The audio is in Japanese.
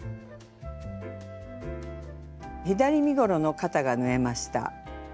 左身ごろの肩が縫えました。